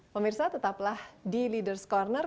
pemirsa tetaplah di leaders' corner